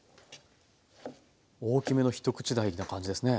大きめの一口大な感じですね。